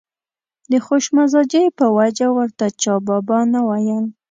د خوش مزاجۍ په وجه ورته چا بابا نه ویل.